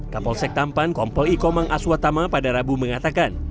kapolsek tampan kompol ikomang aswatama pada rabu mengatakan